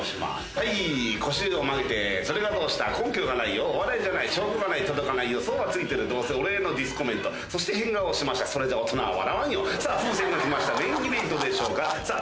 はい腰を曲げてそれがどうした根拠がないよお笑いじゃない証拠がない届かない予想はついてるどうせ俺へのディスコメントそして変顔をしましたそれじゃ大人は笑わんよさあ